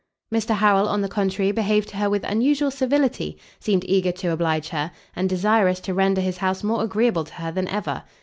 Mr Harrel, on the contrary, behaved to her with unusual civility, seemed eager to oblige her, and desirous to render his house more agreeable to her than ever.